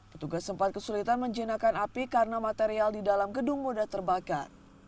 petugas sempat kesulitan menjinakkan api karena material di dalam gedung mudah terbakar